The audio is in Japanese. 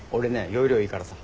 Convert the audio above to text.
要領いいからさ。